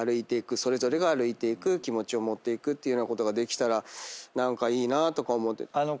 それぞれが歩いていく気持ちを持っていくってことができたら何かいいなとか思って。